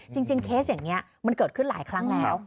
เคสอย่างนี้มันเกิดขึ้นหลายครั้งแล้ว